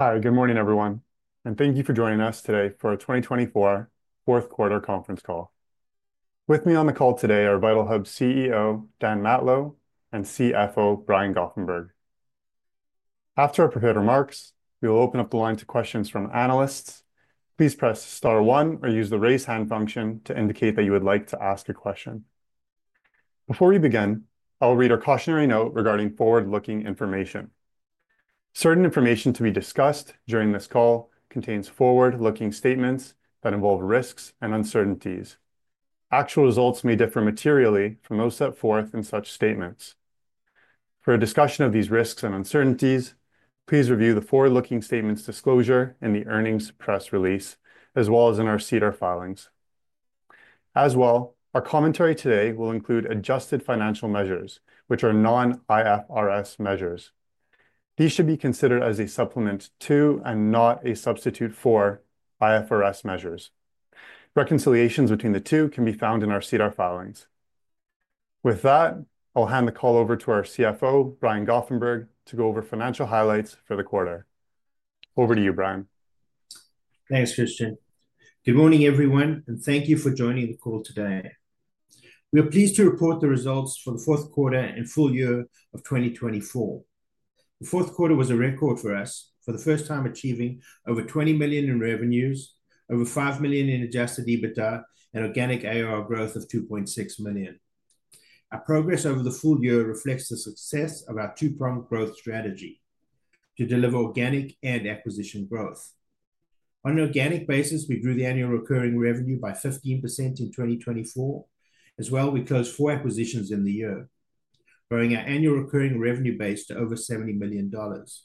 Hi, good morning, everyone, and thank you for joining us today for our 2024 fourth quarter conference call. With me on the call today are VitalHub CEO Dan Matlow and CFO Brian Goffenberg. After our prepared remarks, we will open up the line to questions from analysts. Please press star 1 or use the raise hand function to indicate that you would like to ask a question. Before we begin, I'll read our cautionary note regarding forward-looking information. Certain information to be discussed during this call contains forward-looking statements that involve risks and uncertainties. Actual results may differ materially from those set forth in such statements. For a discussion of these risks and uncertainties, please review the forward-looking statements disclosure in the earnings press release, as well as in our SEDAR filings. As well, our commentary today will include adjusted financial measures, which are non-IFRS measures. These should be considered as a supplement to and not a substitute for IFRS measures. Reconciliations between the two can be found in our SEDAR filings. With that, I'll hand the call over to our CFO, Brian Goffenberg, to go over financial highlights for the quarter. Over to you, Brian. Thanks, Christian. Good morning, everyone, and thank you for joining the call today. We are pleased to report the results for the fourth quarter and full year of 2024. The fourth quarter was a record for us, for the first time achieving over 20 million in revenues, over 5 million in adjusted EBITDA, and organic ARR growth of 2.6 million. Our progress over the full year reflects the success of our two-pronged growth strategy to deliver organic and acquisition growth. On an organic basis, we grew the annual recurring revenue by 15% in 2024. As well, we closed four acquisitions in the year, growing our annual recurring revenue base to over 70 million dollars.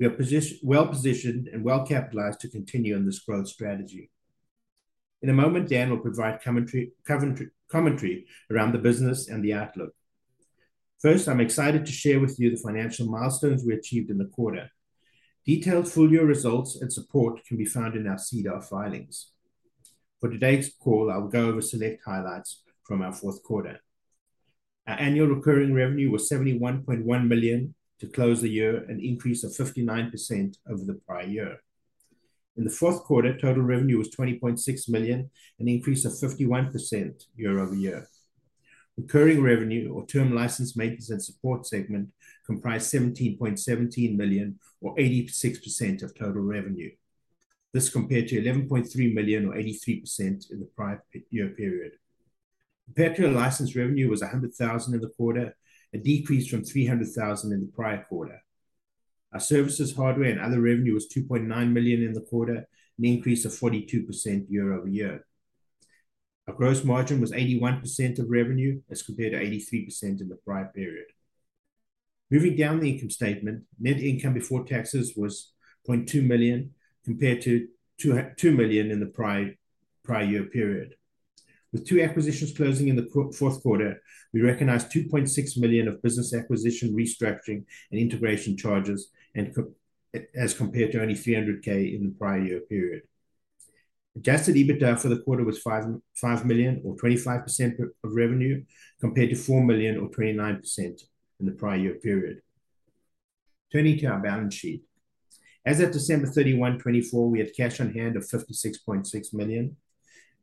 We are well positioned and well capitalized to continue on this growth strategy. In a moment, Dan will provide commentary around the business and the outlook. First, I'm excited to share with you the financial milestones we achieved in the quarter. Detailed full year results and support can be found in our SEDAR filings. For today's call, I will go over select highlights from our fourth quarter. Our annual recurring revenue was 71.1 million to close the year, an increase of 59% over the prior year. In the fourth quarter, total revenue was 20.6 million, an increase of 51% year over year. Recurring revenue, or term license maintenance and support segment, comprised 17.17 million, or 86% of total revenue. This compared to 11.3 million, or 83% in the prior year period. Perpetual license revenue was 100,000 in the quarter, a decrease from 300,000 in the prior quarter. Our services, hardware, and other revenue was 2.9 million in the quarter, an increase of 42% year over year. Our gross margin was 81% of revenue as compared to 83% in the prior period. Moving down the income statement, net income before taxes was 0.2 million compared to 2 million in the prior year period. With two acquisitions closing in the fourth quarter, we recognized 2.6 million of business acquisition, restructuring, and integration charges as compared to only 300,000 in the prior year period. Adjusted EBITDA for the quarter was 5 million, or 25% of revenue, compared to 4 million, or 29% in the prior year period. Turning to our balance sheet, as of December 31, 2024, we had cash on hand of 56.6 million.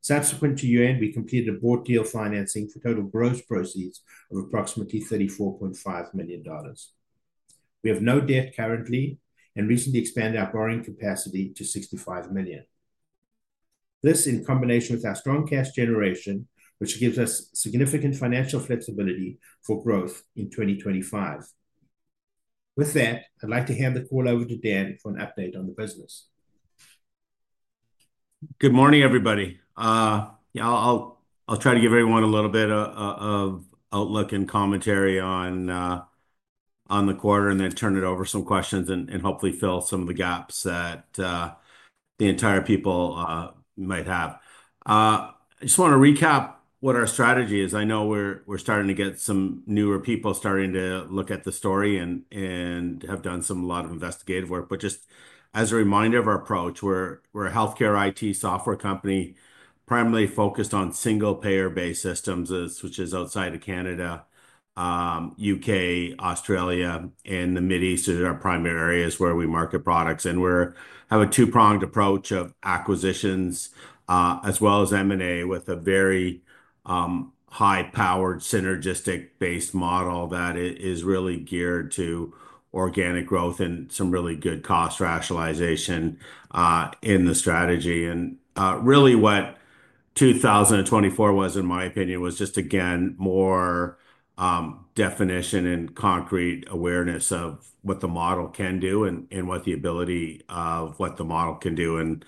Subsequent to year end, we completed a bought deal financing for total gross proceeds of approximately 34.5 million dollars. We have no debt currently and recently expanded our borrowing capacity to 65 million. This, in combination with our strong cash generation, which gives us significant financial flexibility for growth in 2025. With that, I'd like to hand the call over to Dan for an update on the business. Good morning, everybody. I'll try to give everyone a little bit of outlook and commentary on the quarter and then turn it over to some questions and hopefully fill some of the gaps that the entire people might have. I just want to recap what our strategy is. I know we're starting to get some newer people starting to look at the story and have done a lot of investigative work. Just as a reminder of our approach, we're a healthcare IT software company primarily focused on single-payer-based systems, which is outside of Canada, the U.K., Australia, and the Mideast are our primary areas where we market products. We have a two-pronged approach of acquisitions as well as M&A with a very high-powered synergistic-based model that is really geared to organic growth and some really good cost rationalization in the strategy. What 2024 was, in my opinion, was just, again, more definition and concrete awareness of what the model can do and what the ability of what the model can do.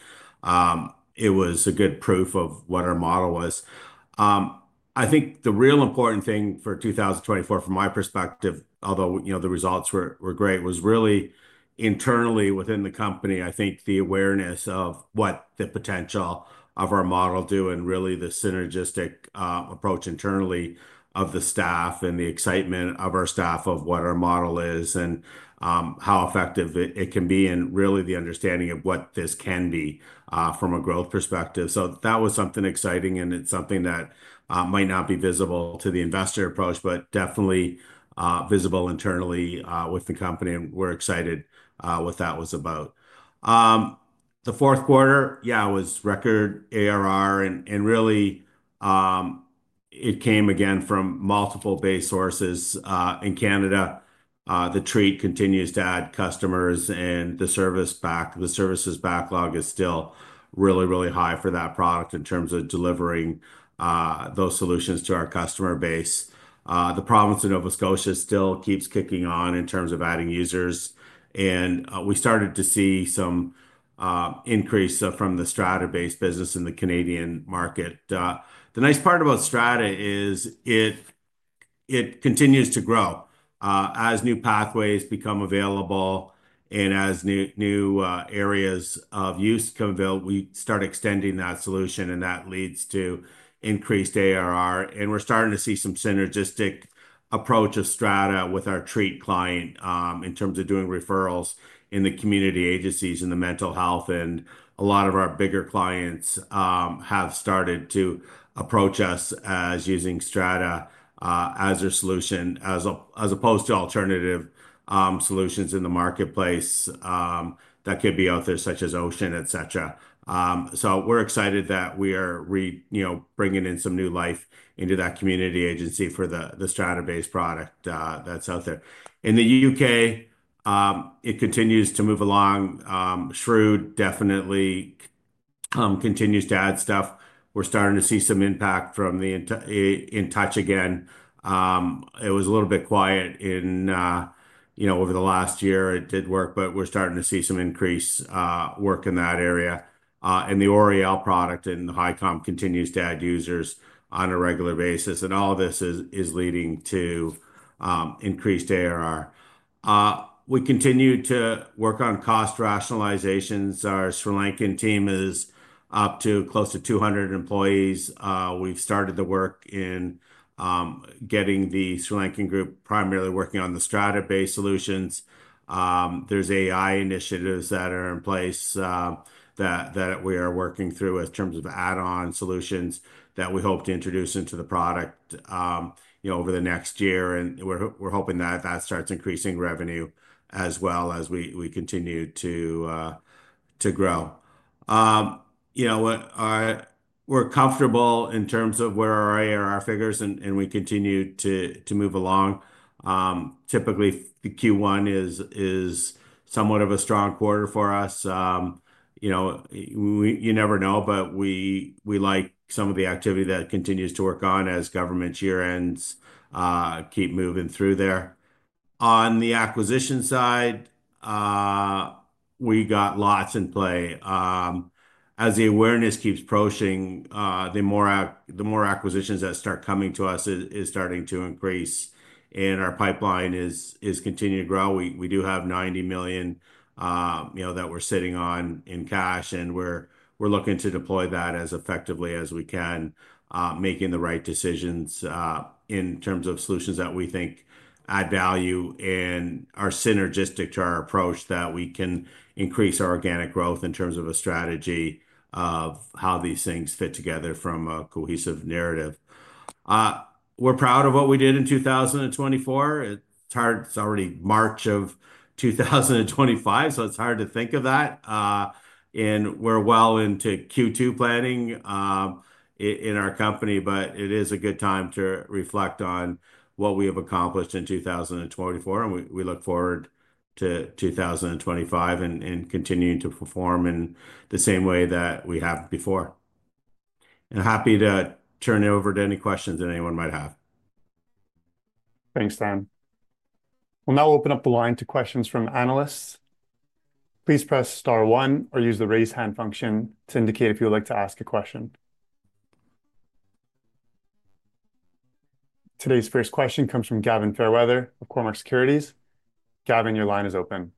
It was a good proof of what our model was. I think the real important thing for 2024, from my perspective, although the results were great, was really internally within the company. I think the awareness of what the potential of our model do and really the synergistic approach internally of the staff and the excitement of our staff of what our model is and how effective it can be and really the understanding of what this can be from a growth perspective. That was something exciting, and it is something that might not be visible to the investor approach, but definitely visible internally with the company. We are excited what that was about. The fourth quarter, yeah, was record ARR, and really it came again from multiple base sources. In Canada, the Treat continues to add customers and the service backlog is still really, really high for that product in terms of delivering those solutions to our customer base. The province of Nova Scotia still keeps kicking on in terms of adding users, and we started to see some increase from the Strata-based business in the Canadian market. The nice part about Strata is it continues to grow. As new pathways become available and as new areas of use come available, we start extending that solution, and that leads to increased ARR. We're starting to see some synergistic approach of Strata with our Treat client in terms of doing referrals in the community agencies and the mental health. A lot of our bigger clients have started to approach us as using Strata as their solution, as opposed to alternative solutions in the marketplace that could be out there such as Ocean, etc. We are excited that we are bringing in some new life into that community agency for the Strata-based product that is out there. In the U.K., it continues to move along. Shrewd definitely continues to add stuff. We are starting to see some impact from InTouch again. It was a little bit quiet over the last year. It did work, but we are starting to see some increased work in that area. The Oriel product and Hicom continue to add users on a regular basis. All of this is leading to increased ARR. We continue to work on cost rationalizations. Our Sri Lankan team is up to close to 200 employees. We've started the work in getting the Sri Lankan group primarily working on the Strata-based solutions. There are AI initiatives that are in place that we are working through in terms of add-on solutions that we hope to introduce into the product over the next year. We are hoping that that starts increasing revenue as well as we continue to grow. We are comfortable in terms of where our ARR figures are, and we continue to move along. Typically, Q1 is somewhat of a strong quarter for us. You never know, but we like some of the activity that continues to work on as government year-ends keep moving through there. On the acquisition side, we got lots in play. As the awareness keeps approaching, the more acquisitions that start coming to us is starting to increase, and our pipeline is continuing to grow. We do have 90 million that we're sitting on in cash, and we're looking to deploy that as effectively as we can, making the right decisions in terms of solutions that we think add value and are synergistic to our approach that we can increase our organic growth in terms of a strategy of how these things fit together from a cohesive narrative. We're proud of what we did in 2024. It's already March of 2025, so it's hard to think of that. We are well into Q2 planning in our company, but it is a good time to reflect on what we have accomplished in 2024. We look forward to 2025 and continuing to perform in the same way that we have before. Happy to turn it over to any questions that anyone might have. Thanks, Dan. We'll now open up the line to questions from analysts. Please press star 1 or use the raise hand function to indicate if you would like to ask a question. Today's first question comes from Gavin Fairweather of Cormark Securities. Gavin, your line is open.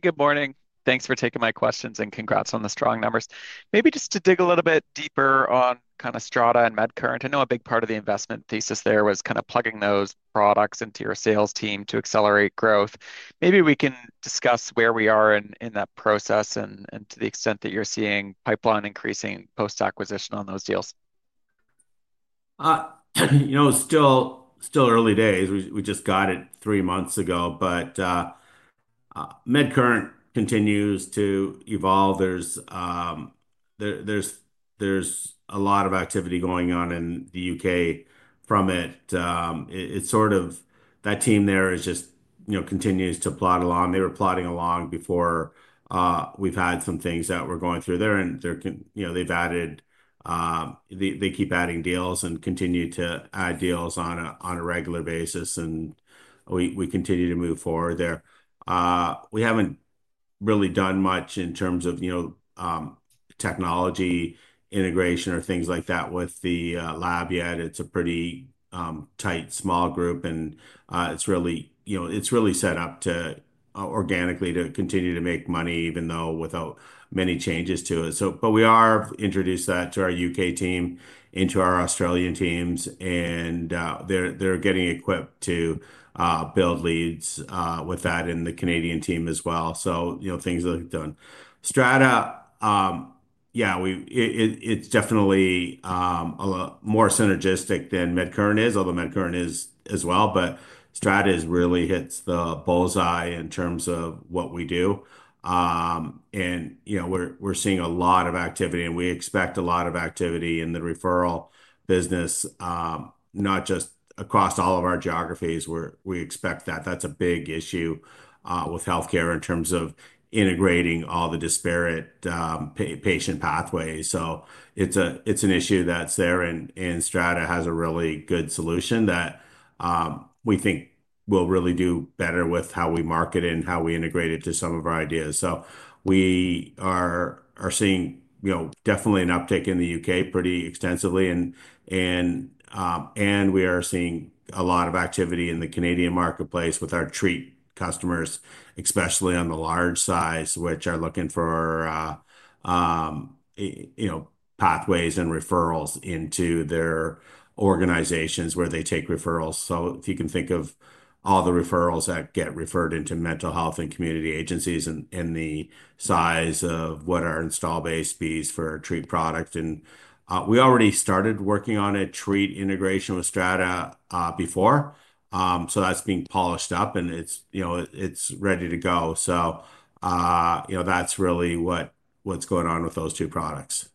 Good morning. Thanks for taking my questions and congrats on the strong numbers. Maybe just to dig a little bit deeper on kind of Strata and MedCurrent, I know a big part of the investment thesis there was kind of plugging those products into your sales team to accelerate growth. Maybe we can discuss where we are in that process and to the extent that you're seeing pipeline increasing post-acquisition on those deals. You know, still early days. We just got it three months ago, but MedCurrent continues to evolve. There's a lot of activity going on in the U.K. from it. It's sort of that team there just continues to plod along. They were plodding along before. We've had some things that we're going through there. They keep adding deals and continue to add deals on a regular basis. We continue to move forward there. We haven't really done much in terms of technology integration or things like that with the lab yet. It's a pretty tight, small group, and it's really set up organically to continue to make money, even though without many changes to it. We are introducing that to our U.K. team and to our Australian teams. They're getting equipped to build leads with that in the Canadian team as well. Things are done. Strata, yeah, it's definitely more synergistic than MedCurrent is, although MedCurrent is as well. Strata really hits the bull's eye in terms of what we do. We're seeing a lot of activity, and we expect a lot of activity in the referral business, not just across all of our geographies. We expect that. That's a big issue with healthcare in terms of integrating all the disparate patient pathways. It's an issue that's there. Strata has a really good solution that we think will really do better with how we market it and how we integrate it to some of our ideas. We are seeing definitely an uptick in the U.K. pretty extensively. We are seeing a lot of activity in the Canadian marketplace with our Treat customers, especially on the large size, which are looking for pathways and referrals into their organizations where they take referrals. If you can think of all the referrals that get referred into mental health and community agencies and the size of what our install base fees for Treat product. We already started working on a Treat integration with Strata before. That is being polished up, and it is ready to go. That is really what is going on with those two products.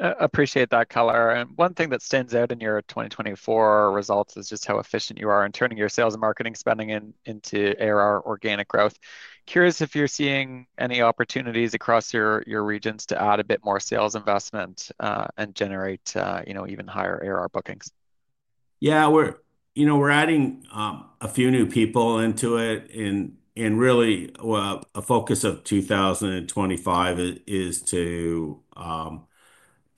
Appreciate that, color. One thing that stands out in your 2024 results is just how efficient you are in turning your sales and marketing spending into ARR organic growth. Curious if you're seeing any opportunities across your regions to add a bit more sales investment and generate even higher ARR bookings. Yeah, we're adding a few new people into it. Really, a focus of 2025 is to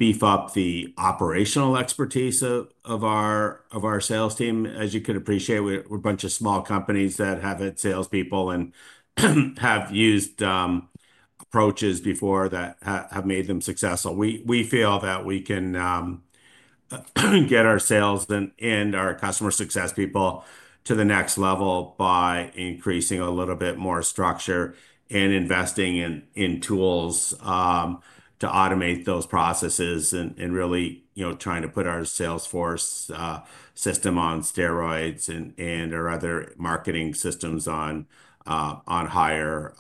beef up the operational expertise of our sales team. As you can appreciate, we're a bunch of small companies that have had salespeople and have used approaches before that have made them successful. We feel that we can get our sales and our customer success people to the next level by increasing a little bit more structure and investing in tools to automate those processes and really trying to put our Salesforce system on steroids and our other marketing systems on higher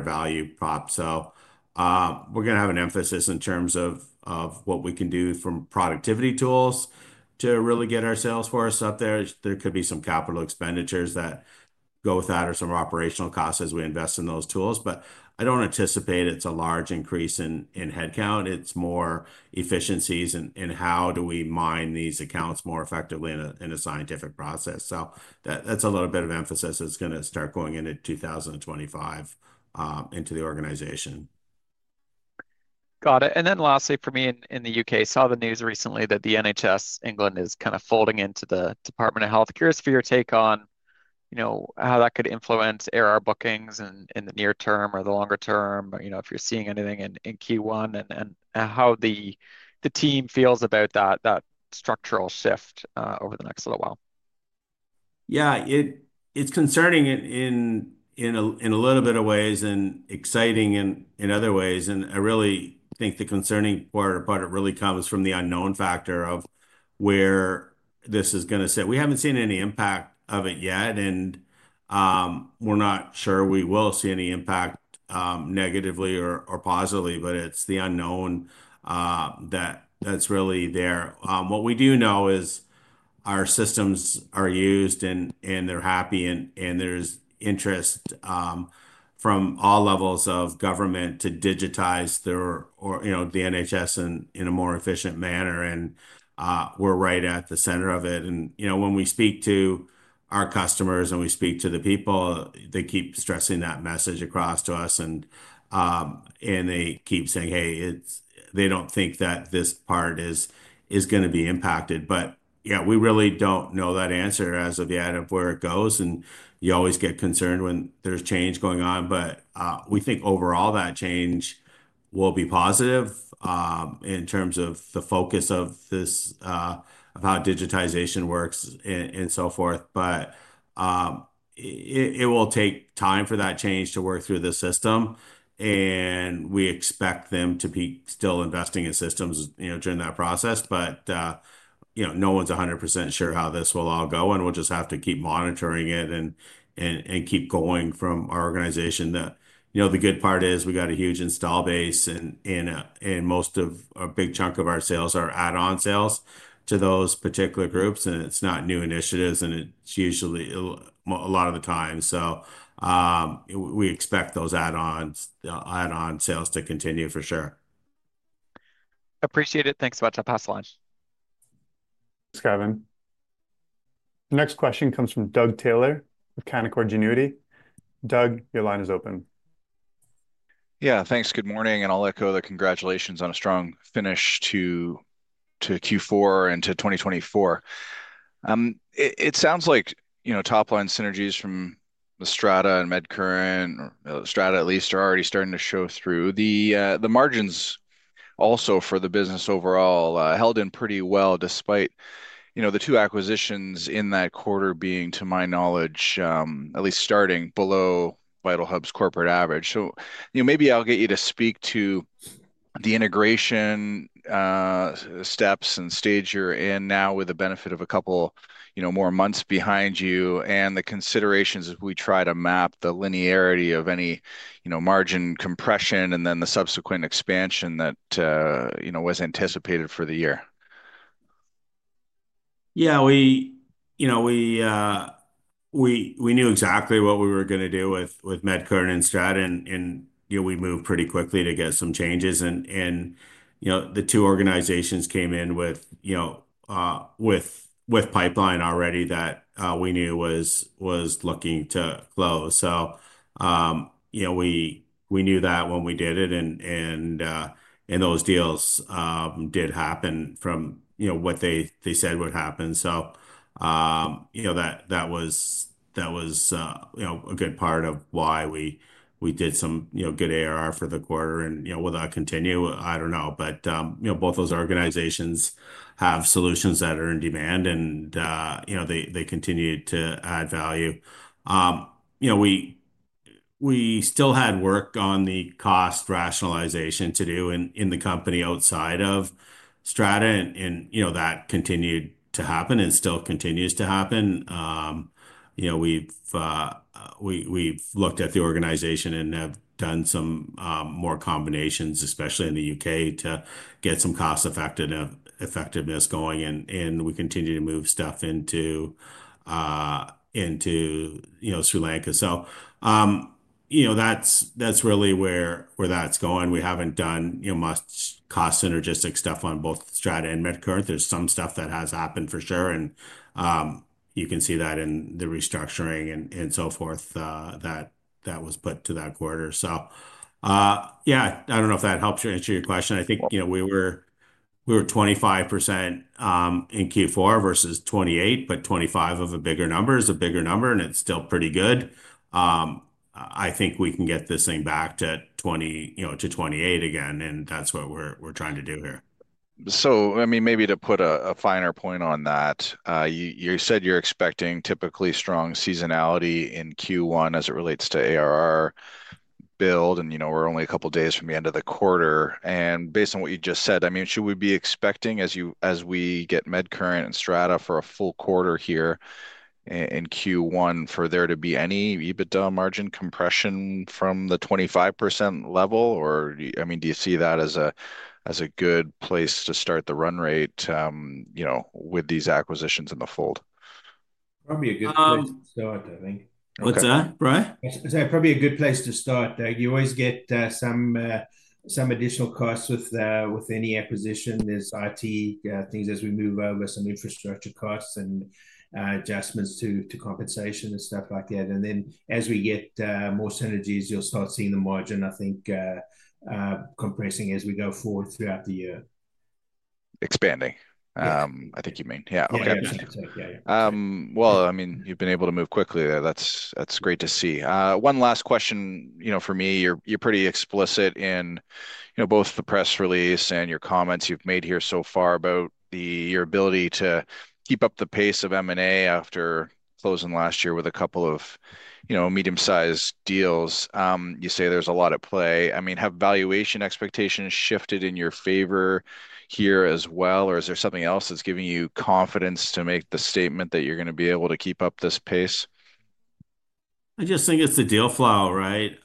value props. We are going to have an emphasis in terms of what we can do from productivity tools to really get our Salesforce up there. There could be some capital expenditures that go with that or some operational costs as we invest in those tools. I don't anticipate it's a large increase in headcount. It's more efficiencies and how do we mine these accounts more effectively in a scientific process. That's a little bit of emphasis that's going to start going into 2025 into the organization. Got it. Lastly, for me in the U.K., I saw the news recently that the NHS England is kind of folding into the Department of Health. Curious for your take on how that could influence ARR bookings in the near term or the longer term, if you're seeing anything in Q1, and how the team feels about that structural shift over the next little while. Yeah, it's concerning in a little bit of ways and exciting in other ways. I really think the concerning part about it really comes from the unknown factor of where this is going to sit. We haven't seen any impact of it yet, and we're not sure we will see any impact negatively or positively, but it's the unknown that's really there. What we do know is our systems are used, and they're happy, and there's interest from all levels of government to digitize the NHS in a more efficient manner. We're right at the center of it. When we speak to our customers and we speak to the people, they keep stressing that message across to us. They keep saying, "Hey, they don't think that this part is going to be impacted." Yeah, we really don't know that answer as of yet of where it goes. You always get concerned when there's change going on. We think overall that change will be positive in terms of the focus of how digitization works and so forth. It will take time for that change to work through the system. We expect them to be still investing in systems during that process. No one's 100% sure how this will all go, and we'll just have to keep monitoring it and keep going from our organization. The good part is we've got a huge install base, and most of a big chunk of our sales are add-on sales to those particular groups. It's not new initiatives, and it's usually a lot of the time. We expect those add-on sales to continue for sure. Appreciate it. Thanks so much for passing along. Thanks, Gavin. Next question comes from Doug Taylor of Canaccord Genuity. Doug, your line is open. Yeah, thanks. Good morning. I'll echo the congratulations on a strong finish to Q4 and to 2024. It sounds like top-line synergies from the Strata and MedCurrent, or Strata at least, are already starting to show through. The margins also for the business overall held in pretty well despite the two acquisitions in that quarter being, to my knowledge, at least starting below VitalHub's corporate average. Maybe I'll get you to speak to the integration steps and stage you're in now with the benefit of a couple more months behind you and the considerations as we try to map the linearity of any margin compression and then the subsequent expansion that was anticipated for the year. Yeah, we knew exactly what we were going to do with MedCurrent and Strata, and we moved pretty quickly to get some changes. The two organizations came in with pipeline already that we knew was looking to close. We knew that when we did it, and those deals did happen from what they said would happen. That was a good part of why we did some good ARR for the quarter. Will that continue? I don't know. Both those organizations have solutions that are in demand, and they continue to add value. We still had work on the cost rationalization to do in the company outside of Strata, and that continued to happen and still continues to happen. We've looked at the organization and have done some more combinations, especially in the U.K., to get some cost-effectiveness going. We continue to move stuff into Sri Lanka. That is really where that is going. We have not done much cost-synergistic stuff on both Strata and MedCurrent. There is some stuff that has happened for sure. You can see that in the restructuring and so forth that was put to that quarter. I do not know if that helps you answer your question. I think we were 25% in Q4 versus 28%, but 25% of a bigger number is a bigger number, and it is still pretty good. I think we can get this thing back to 28% again, and that is what we are trying to do here. I mean, maybe to put a finer point on that, you said you're expecting typically strong seasonality in Q1 as it relates to ARR build. We're only a couple of days from the end of the quarter. Based on what you just said, I mean, should we be expecting, as we get MedCurrent and Strata for a full quarter here in Q1, for there to be any EBITDA margin compression from the 25% level? I mean, do you see that as a good place to start the run rate with these acquisitions in the fold? Probably a good place to start, I think. What's that? Brian? Probably a good place to start, Doug. You always get some additional costs with any acquisition. There are IT things as we move over, some infrastructure costs and adjustments to compensation and stuff like that. Then as we get more synergies, you'll start seeing the margin, I think, compressing as we go forward throughout the year. Expanding, I think you mean. Yeah. Okay. I mean, you've been able to move quickly there. That's great to see. One last question for me. You're pretty explicit in both the press release and your comments you've made here so far about your ability to keep up the pace of M&A after closing last year with a couple of medium-sized deals. You say there's a lot at play. I mean, have valuation expectations shifted in your favor here as well? Or is there something else that's giving you confidence to make the statement that you're going to be able to keep up this pace? I just think it's the deal flow, right?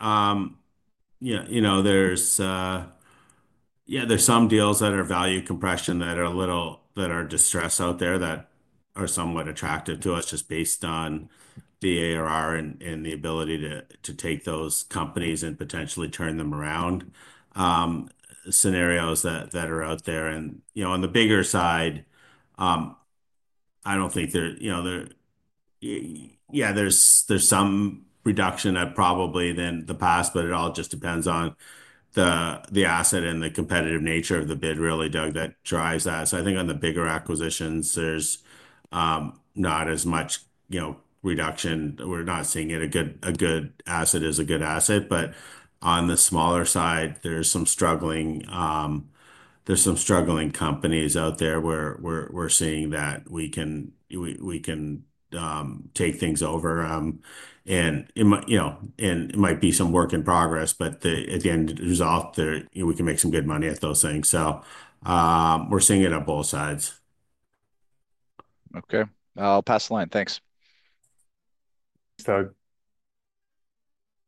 Yeah, there's some deals that are value compression that are a little that are distressed out there that are somewhat attractive to us just based on the ARR and the ability to take those companies and potentially turn them around scenarios that are out there. On the bigger side, I don't think there yeah, there's some reduction probably than the past, but it all just depends on the asset and the competitive nature of the bid really, Doug, that drives that. I think on the bigger acquisitions, there's not as much reduction. We're not seeing it. A good asset is a good asset. On the smaller side, there's some struggling companies out there where we're seeing that we can take things over. It might be some work in progress, but at the end of the result, we can make some good money at those things. We are seeing it on both sides. Okay. I'll pass the line. Thanks. Thanks, Doug.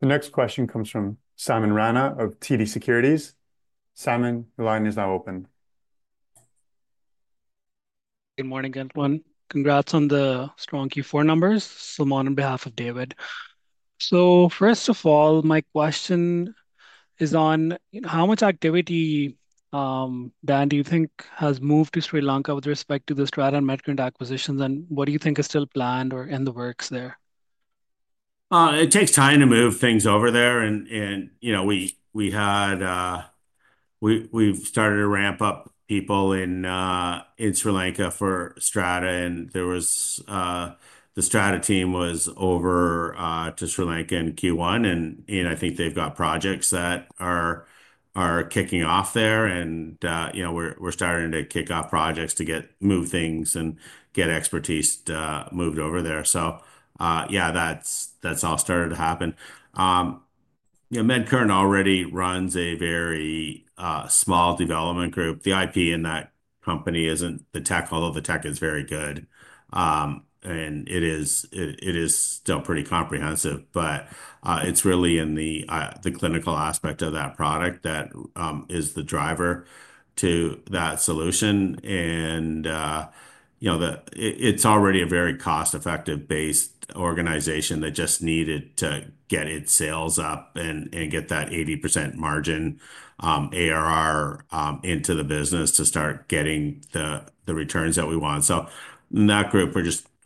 The next question comes from Salman Rana of TD Securities. Simon, your line is now open. Good morning, everyone. Congrats on the strong Q4 numbers. Salman on behalf of David. First of all, my question is on how much activity, Dan, do you think has moved to Sri Lanka with respect to the Strata and MedCurrent acquisitions? What do you think is still planned or in the works there? It takes time to move things over there. We've started to ramp up people in Sri Lanka for Strata. The Strata team was over to Sri Lanka in Q1. I think they've got projects that are kicking off there. We're starting to kick off projects to move things and get expertise moved over there. Yeah, that's all started to happen. MedCurrent already runs a very small development group. The IP in that company isn't the tech, although the tech is very good. It is still pretty comprehensive. It's really in the clinical aspect of that product that is the driver to that solution. It's already a very cost-effective-based organization that just needed to get its sales up and get that 80% margin ARR into the business to start getting the returns that we want. In that group,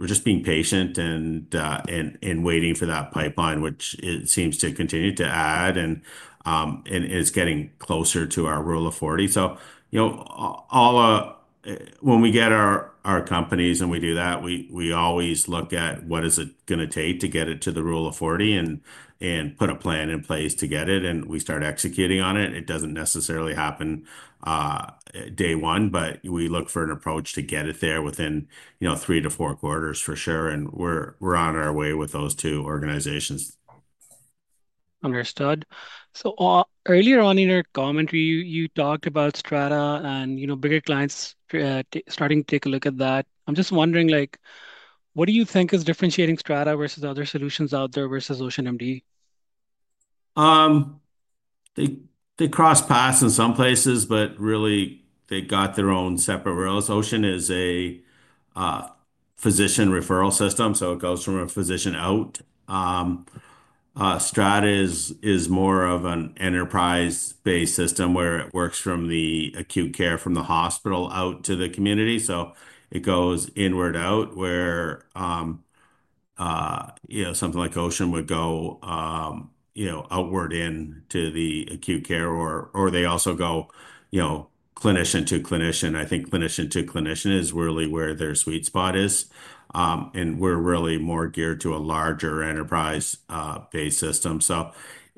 we're just being patient and waiting for that pipeline, which it seems to continue to add and is getting closer to our rule of 40. When we get our companies and we do that, we always look at what is it going to take to get it to the rule of 40 and put a plan in place to get it. We start executing on it. It doesn't necessarily happen day one, but we look for an approach to get it there within three to four quarters for sure. We're on our way with those two organizations. Understood. Earlier on in your commentary, you talked about Strata and bigger clients starting to take a look at that. I'm just wondering, what do you think is differentiating Strata versus other solutions out there versus OceanMD? They cross paths in some places, but really, they've got their own separate rails. Ocean is a physician referral system. It goes from a physician out. Strata is more of an enterprise-based system where it works from the acute care, from the hospital out to the community. It goes inward out, where something like Ocean would go outward into the acute care. They also go clinician to clinician. I think clinician to clinician is really where their sweet spot is. We're really more geared to a larger enterprise-based system.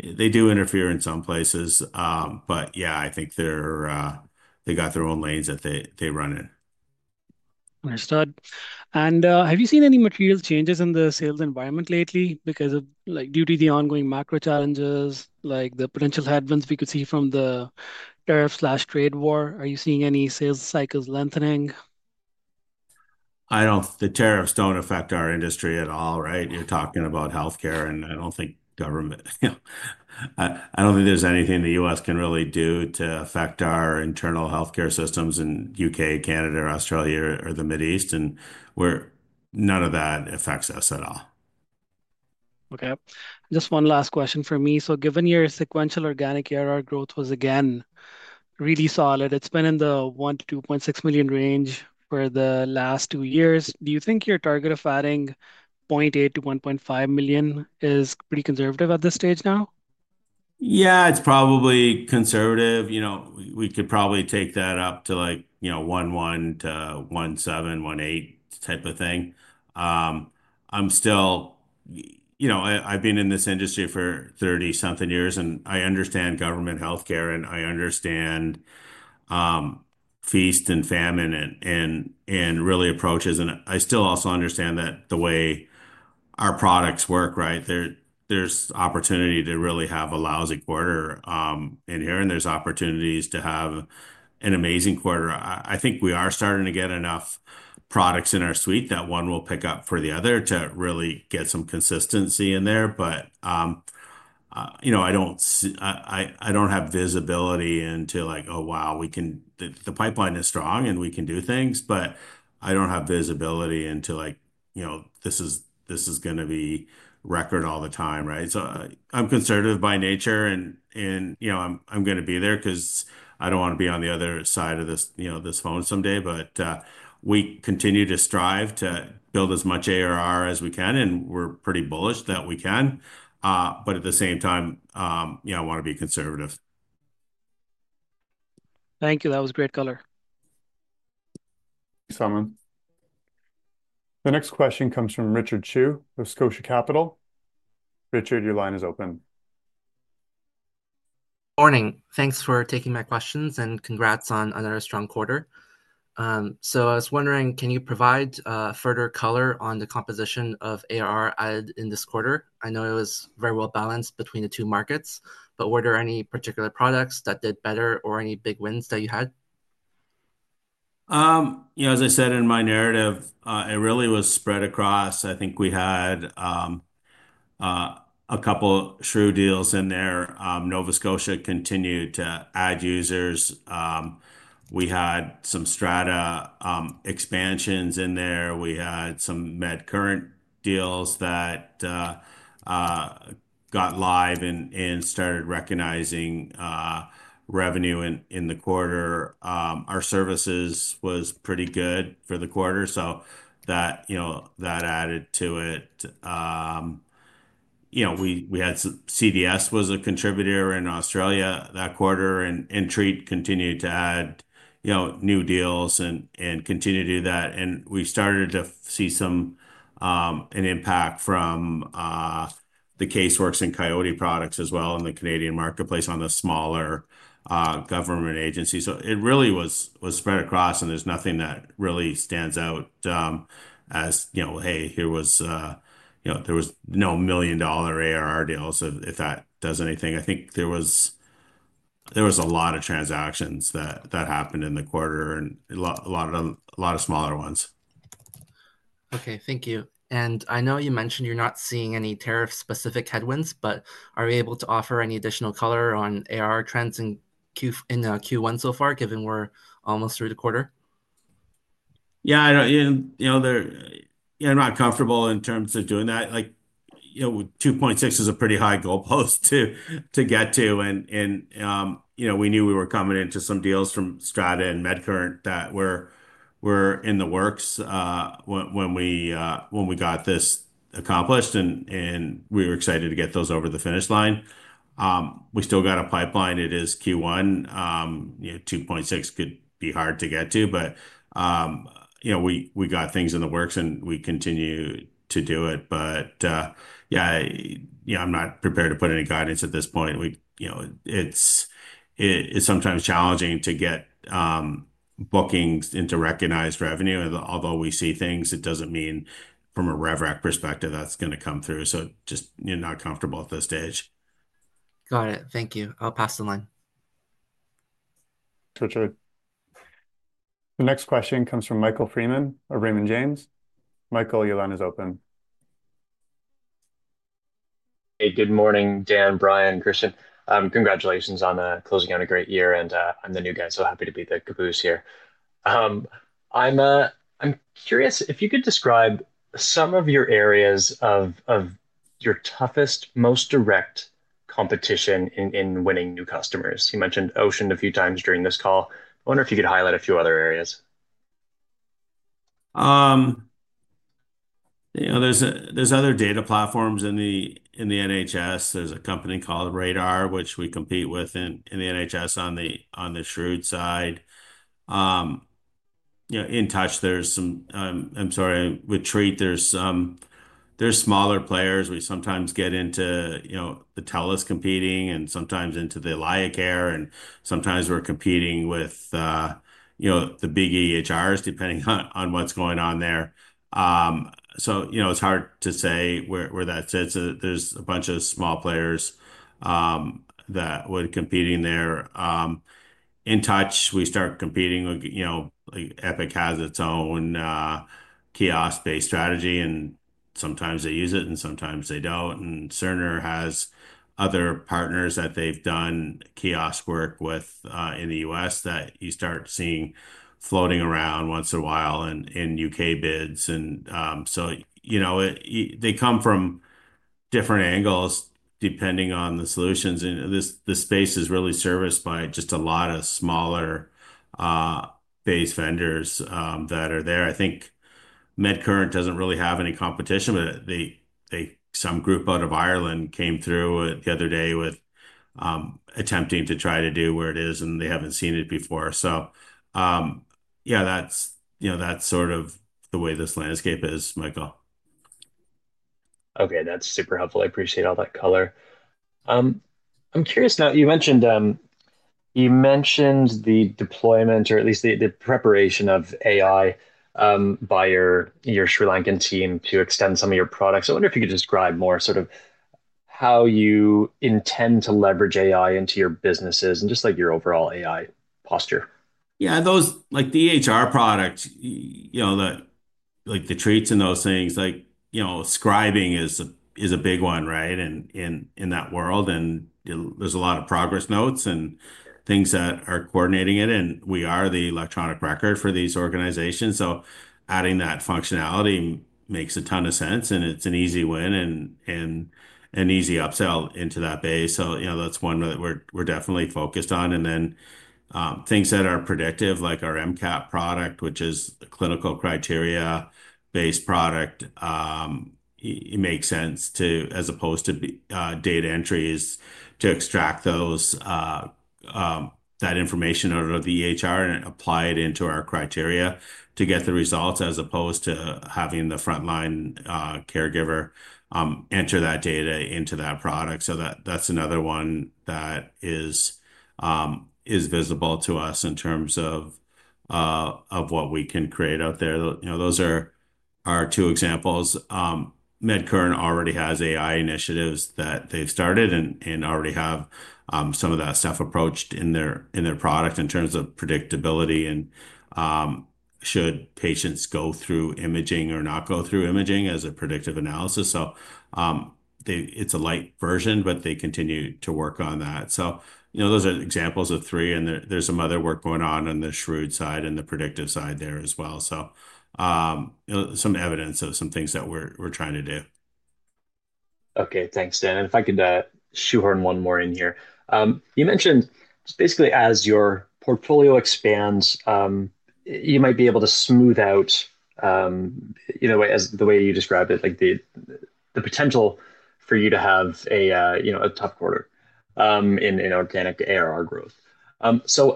They do interfere in some places. I think they got their own lanes that they run in. Understood. Have you seen any material changes in the sales environment lately because of the ongoing macro challenges, like the potential headwinds we could see from the tariff/trade war? Are you seeing any sales cycles lengthening? I don't. The tariffs don't affect our industry at all, right? You're talking about healthcare. I don't think government, I don't think there's anything the U.S. can really do to affect our internal healthcare systems in the U.K., Canada, Australia, or the Middle East. None of that affects us at all. Okay. Just one last question for me. Given your sequential organic ARR growth was, again, really solid, it's been in the $1 million-$2.6 million range for the last two years. Do you think your target of adding $800,000-$1.5 million is pretty conservative at this stage now? Yeah, it's probably conservative. We could probably take that up to 1.1-1.7, 1.8 type of thing. I've been in this industry for 30-something years. I understand government healthcare, and I understand feast and famine and really approaches. I still also understand that the way our products work, right? There's opportunity to really have a lousy quarter in here. There's opportunities to have an amazing quarter. I think we are starting to get enough products in our suite that one will pick up for the other to really get some consistency in there. I don't have visibility into like, "Oh, wow, the pipeline is strong, and we can do things." I don't have visibility into like, "This is going to be record all the time," right? I am conservative by nature. I'm going to be there because I don't want to be on the other side of this phone someday. We continue to strive to build as much ARR as we can. We're pretty bullish that we can. At the same time, I want to be conservative. Thank you. That was great color. Thanks, Simon. The next question comes from Richard Chu of Scotia Capital. Richard, your line is open. Morning. Thanks for taking my questions. Congrats on another strong quarter. I was wondering, can you provide further color on the composition of ARR added in this quarter? I know it was very well balanced between the two markets. Were there any particular products that did better or any big wins that you had? As I said in my narrative, it really was spread across. I think we had a couple of Shrewd deals in there. Nova Scotia continued to add users. We had some Strata expansions in there. We had some MedCurrent deals that got live and started recognizing revenue in the quarter. Our services was pretty good for the quarter. That added to it. We had CVS was a contributor in Australia that quarter. Intrahealth continued to add new deals and continue to do that. We started to see an impact from the Caseworks and Coyote products as well in the Canadian marketplace on the smaller government agency. It really was spread across. There is nothing that really stands out as, "Hey, here was there was no million-dollar ARR deals," if that does anything. I think there was a lot of transactions that happened in the quarter and a lot of smaller ones. Okay. Thank you. I know you mentioned you're not seeing any tariff-specific headwinds. Are you able to offer any additional color on ARR trends in Q1 so far, given we're almost through the quarter? Yeah. Yeah, I'm not comfortable in terms of doing that. 2.6 million is a pretty high goalpost to get to. We knew we were coming into some deals from Strata and MedCurrent that were in the works when we got this accomplished. We were excited to get those over the finish line. We still got a pipeline. It is Q1. 2.6 million could be hard to get to. We got things in the works, and we continue to do it. Yeah, I'm not prepared to put any guidance at this point. It's sometimes challenging to get bookings into recognized revenue. Although we see things, it doesn't mean from a RevRec perspective that's going to come through. Just not comfortable at this stage. Got it. Thank you. I'll pass the line. Richard. The next question comes from Michael Freeman of Raymond James. Michael, your line is open. Hey, good morning, Dan, Brian, Christian. Congratulations on closing out a great year. I'm the new guy, so happy to be the caboose here. I'm curious if you could describe some of your areas of your toughest, most direct competition in winning new customers. You mentioned Ocean a few times during this call. I wonder if you could highlight a few other areas. There's other data platforms in the NHS. There is a company called Radar, which we compete with in the NHS on the Shrewd side. InTouch, there is some—I'm sorry, with Treat, there are smaller players. We sometimes get into the Telus competing and sometimes into the AlayaCare. Sometimes we are competing with the big EHRs, depending on what is going on there. It is hard to say where that sits. There are a bunch of small players that would compete in there. InTouch, we start competing. Epic has its own kiosk-based strategy. Sometimes they use it, and sometimes they do not. Cerner has other partners that they have done kiosk work with in the U.S. that you start seeing floating around once in a while in U.K. bids. They come from different angles depending on the solutions. The space is really serviced by just a lot of smaller-based vendors that are there. I think MedCurrent doesn't really have any competition. Some group out of Ireland came through the other day attempting to try to do where it is. They haven't seen it before. Yeah, that's sort of the way this landscape is, Michael. Okay. That's super helpful. I appreciate all that color. I'm curious now. You mentioned the deployment, or at least the preparation of AI by your Sri Lankan team to extend some of your products. I wonder if you could describe more sort of how you intend to leverage AI into your businesses and just your overall AI posture. Yeah. The EHR product, the Treats and those things, scribing is a big one, right, in that world. There is a lot of progress notes and things that are coordinating it. We are the electronic record for these organizations. Adding that functionality makes a ton of sense. It is an easy win and an easy upsell into that base. That is one that we are definitely focused on. Things that are predictive, like our MCAP product, which is a clinical criteria-based product, it makes sense to, as opposed to data entries, extract that information out of the EHR and apply it into our criteria to get the results, as opposed to having the frontline caregiver enter that data into that product. That is another one that is visible to us in terms of what we can create out there. Those are our two examples. MedCurrent already has AI initiatives that they've started and already have some of that stuff approached in their product in terms of predictability and should patients go through imaging or not go through imaging as a predictive analysis. It is a light version, but they continue to work on that. Those are examples of three. There is some other work going on on the Shrewd side and the predictive side there as well. Some evidence of some things that we're trying to do. Okay. Thanks, Dan. If I could shoehorn one more in here. You mentioned just basically as your portfolio expands, you might be able to smooth out, the way you described it, the potential for you to have a tough quarter in organic ARR growth.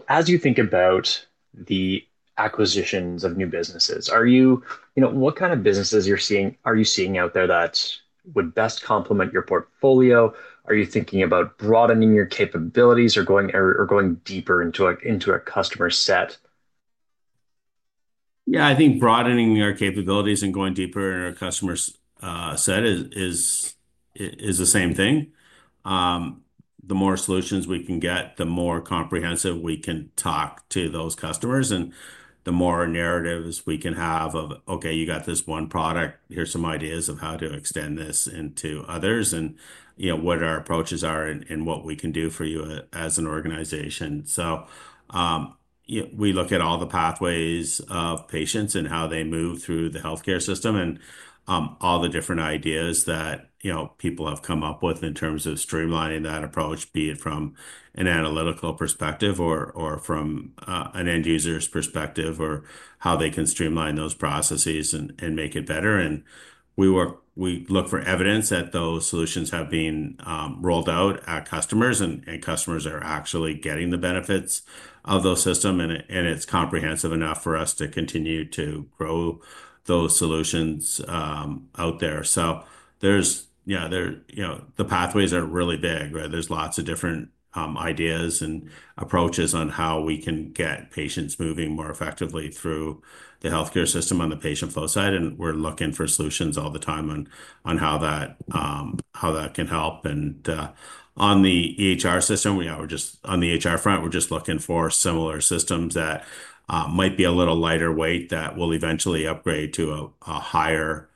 As you think about the acquisitions of new businesses, what kind of businesses are you seeing out there that would best complement your portfolio? Are you thinking about broadening your capabilities or going deeper into a customer set? Yeah. I think broadening our capabilities and going deeper in our customer set is the same thing. The more solutions we can get, the more comprehensive we can talk to those customers. The more narratives we can have of, "Okay, you got this one product. Here's some ideas of how to extend this into others and what our approaches are and what we can do for you as an organization." We look at all the pathways of patients and how they move through the healthcare system and all the different ideas that people have come up with in terms of streamlining that approach, be it from an analytical perspective or from an end user's perspective or how they can streamline those processes and make it better. We look for evidence that those solutions have been rolled out at customers and customers are actually getting the benefits of those systems. It is comprehensive enough for us to continue to grow those solutions out there. Yeah, the pathways are really big, right? There are lots of different ideas and approaches on how we can get patients moving more effectively through the healthcare system on the patient flow side. We are looking for solutions all the time on how that can help. On the EHR system, yeah, on the EHR front, we are just looking for similar systems that might be a little lighter weight that will eventually upgrade to a higher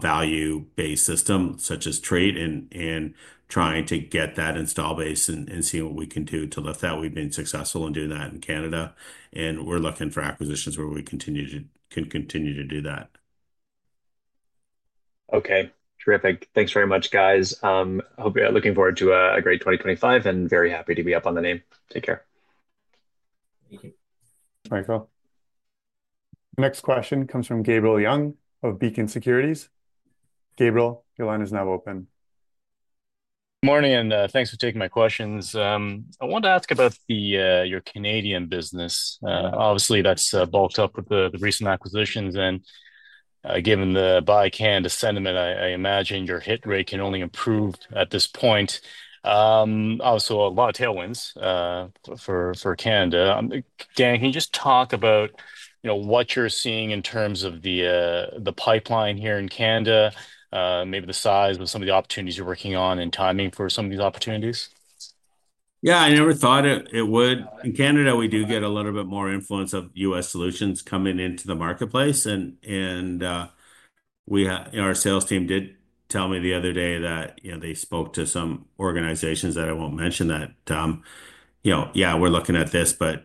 value-based system such as Treat and trying to get that install base and see what we can do to lift that. We have been successful in doing that in Canada. We are looking for acquisitions where we can continue to do that. Okay. Terrific. Thanks very much, guys. Hope you're looking forward to a great 2025 and very happy to be up on the name. Take care. Thank you. Thanks, Michael. Next question comes from Gabriel Leung of Beacon Securities. Gabriel, your line is now open. Good morning. Thanks for taking my questions. I wanted to ask about your Canadian business. Obviously, that's bulked up with the recent acquisitions. Given the buy Canada sentiment, I imagine your hit rate can only improve at this point. Obviously, a lot of tailwinds for Canada. Dan, can you just talk about what you're seeing in terms of the pipeline here in Canada, maybe the size of some of the opportunities you're working on and timing for some of these opportunities? Yeah. I never thought it would. In Canada, we do get a little bit more influence of US solutions coming into the marketplace. Our sales team did tell me the other day that they spoke to some organizations that I won't mention that, "Yeah, we're looking at this." They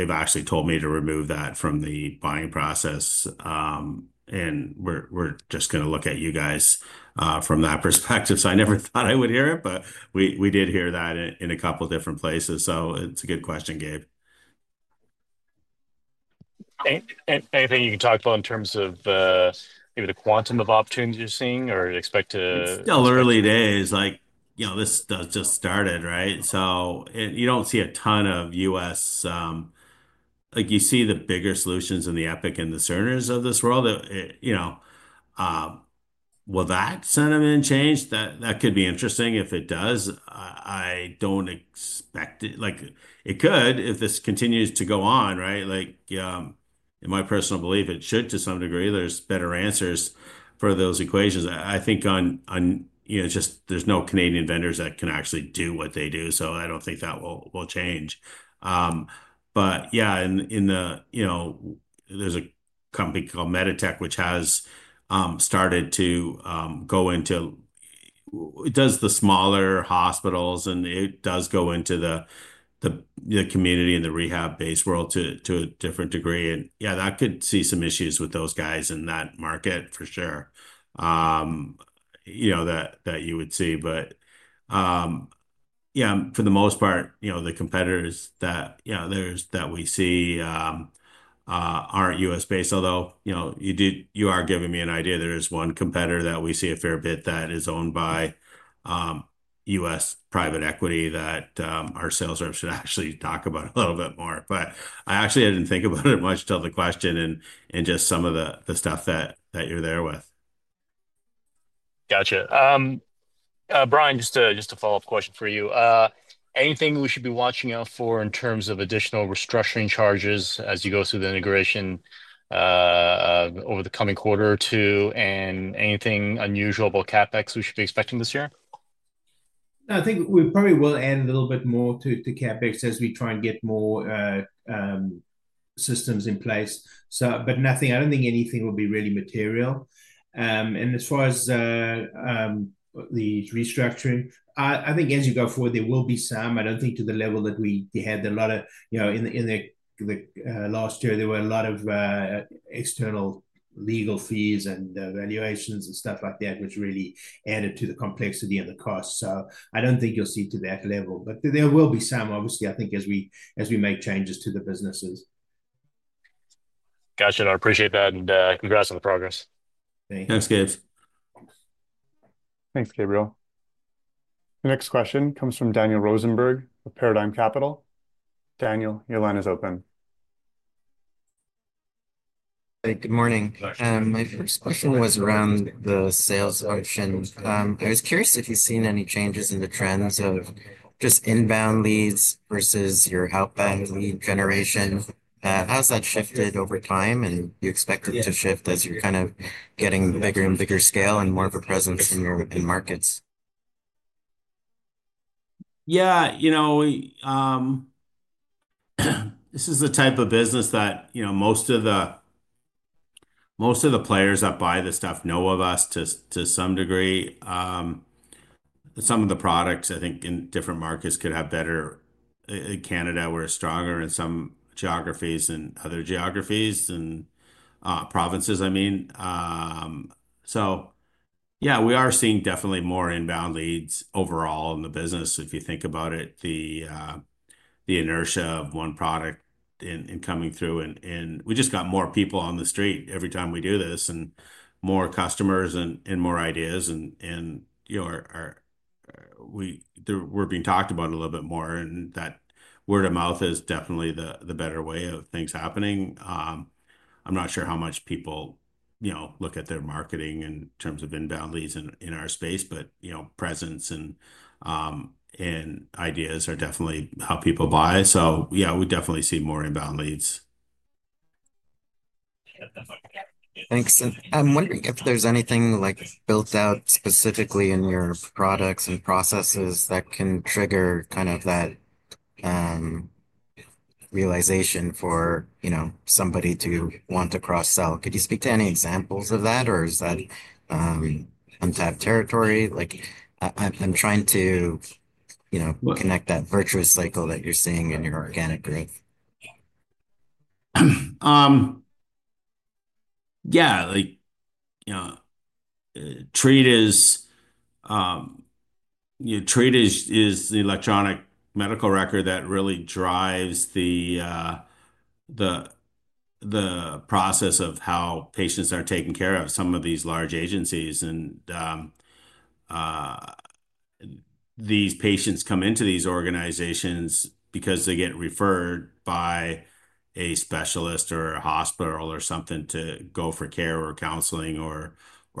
have actually told me to remove that from the buying process. We are just going to look at you guys from that perspective. I never thought I would hear it. We did hear that in a couple of different places. It is a good question, Gabe. Anything you can talk about in terms of maybe the quantum of opportunities you're seeing or expect to? Still early days. This just started, right? You do not see a ton of U.S., you see the bigger solutions in the Epic and the Cerners of this world. Will that sentiment change? That could be interesting if it does. I do not expect it. It could if this continues to go on, right? In my personal belief, it should to some degree. There are better answers for those equations. I think there are no Canadian vendors that can actually do what they do. I do not think that will change. There is a company called Meditech, which has started to go into it, does the smaller hospitals. It does go into the community and the rehab-based world to a different degree. That could see some issues with those guys in that market for sure that you would see. Yeah, for the most part, the competitors that we see aren't US-based. Although you are giving me an idea. There is one competitor that we see a fair bit that is owned by US private equity that our sales rep should actually talk about a little bit more. I actually didn't think about it much until the question and just some of the stuff that you're there with. Gotcha. Brian, just a follow-up question for you. Anything we should be watching out for in terms of additional restructuring charges as you go through the integration over the coming quarter or two? Anything unusual about CapEx we should be expecting this year? No. I think we probably will add a little bit more to CapEx as we try and get more systems in place. I don't think anything will be really material. As far as the restructuring, I think as you go forward, there will be some. I don't think to the level that we had a lot of in the last year, there were a lot of external legal fees and valuations and stuff like that which really added to the complexity and the cost. I don't think you'll see to that level. There will be some, obviously, I think, as we make changes to the businesses. Gotcha. I appreciate that. Congrats on the progress. Thanks. Thanks, Gabe. Thanks, Gabriel. The next question comes from Daniel Rosenberg of Paradigm Capital. Daniel, your line is open. Good morning. My first question was around the sales option. I was curious if you've seen any changes in the trends of just inbound leads versus your outbound lead generation. How has that shifted over time? Do you expect it to shift as you're kind of getting bigger and bigger scale and more of a presence in markets? Yeah. This is the type of business that most of the players that buy the stuff know of us to some degree. Some of the products, I think, in different markets could have better in Canada where it's stronger in some geographies and other geographies and provinces, I mean. Yeah, we are seeing definitely more inbound leads overall in the business if you think about it, the inertia of one product in coming through. We just got more people on the street every time we do this and more customers and more ideas. We are being talked about a little bit more. That word of mouth is definitely the better way of things happening. I'm not sure how much people look at their marketing in terms of inbound leads in our space. Presence and ideas are definitely how people buy. Yeah, we definitely see more inbound leads. Thanks. I'm wondering if there's anything built out specifically in your products and processes that can trigger kind of that realization for somebody to want to cross-sell. Could you speak to any examples of that? Or is that untapped territory? I'm trying to connect that virtuous cycle that you're seeing in your organic growth. Yeah. Treat is the electronic medical record that really drives the process of how patients are taken care of. Some of these large agencies and these patients come into these organizations because they get referred by a specialist or a hospital or something to go for care or counseling or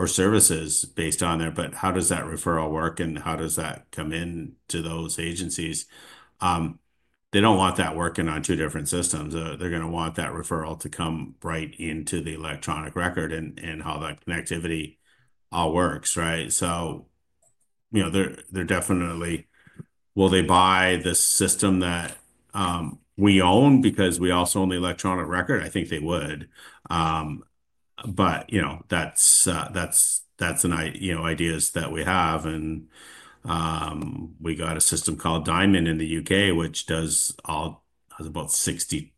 services based on there. How does that referral work? How does that come into those agencies? They do not want that working on two different systems. They are going to want that referral to come right into the electronic record and how that connectivity all works, right? They definitely will they buy the system that we own because we also own the electronic record? I think they would. That is an idea that we have. We got a system called Diamond in the U.K., which has about 60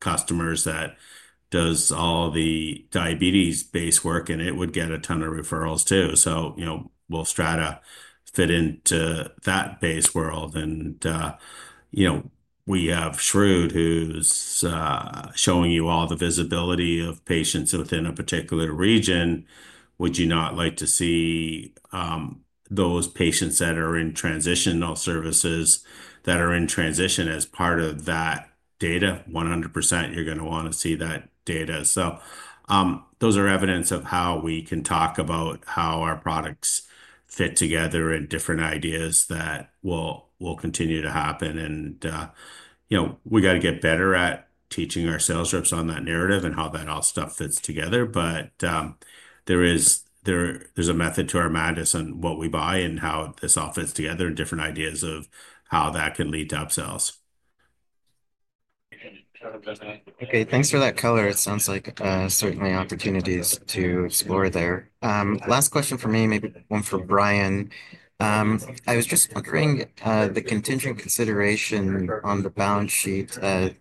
customers that does all the diabetes-based work. It would get a ton of referrals too. Will Strata fit into that base world? We have Shrewd, who's showing you all the visibility of patients within a particular region. Would you not like to see those patients that are in transition, those services that are in transition as part of that data? 100%, you're going to want to see that data. Those are evidence of how we can talk about how our products fit together and different ideas that will continue to happen. We got to get better at teaching our sales reps on that narrative and how that all stuff fits together. There is a method to our madness on what we buy and how this all fits together and different ideas of how that can lead to upsells. Okay. Thanks for that color. It sounds like certainly opportunities to explore there. Last question for me, maybe one for Brian. I was just wondering, the contingent consideration on the balance sheet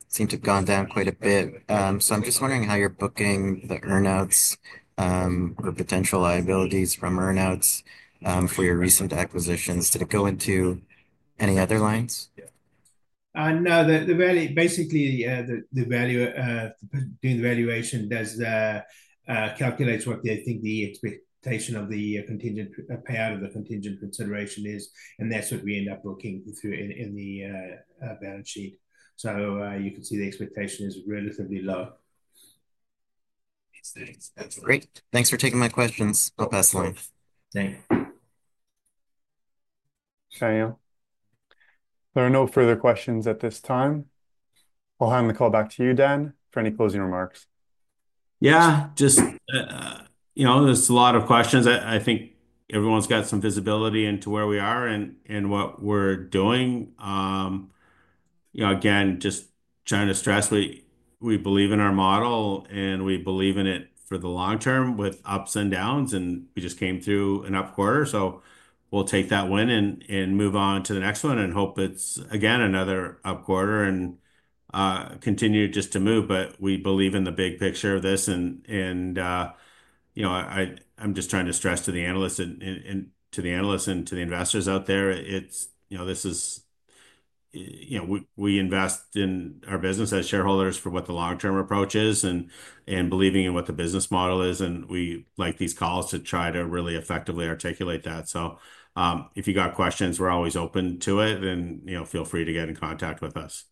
seemed to have gone down quite a bit. I was just wondering how you're booking the earnouts or potential liabilities from earnouts for your recent acquisitions. Did it go into any other lines? No. Basically, the value of doing the valuation does calculate what they think the expectation of the contingent payout of the contingent consideration is. That is what we end up looking through in the balance sheet. You can see the expectation is relatively low. Great. Thanks for taking my questions. I'll pass the line. Thanks. Daniel. There are no further questions at this time. I'll hand the call back to you, Dan, for any closing remarks. Yeah. Just there's a lot of questions. I think everyone's got some visibility into where we are and what we're doing. Again, just trying to stress, we believe in our model. We believe in it for the long term with ups and downs. We just came through an up quarter. We'll take that win and move on to the next one and hope it's, again, another up quarter and continue just to move. We believe in the big picture of this. I'm just trying to stress to the analysts and to the investors out there, we invest in our business as shareholders for what the long-term approach is and believing in what the business model is. We like these calls to try to really effectively articulate that. If you got questions, we're always open to it. Feel free to get in contact with us.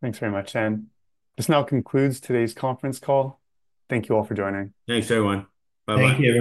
Thanks very much, Dan. This now concludes today's conference call. Thank you all for joining. Thanks, everyone. Bye-bye. Thank you.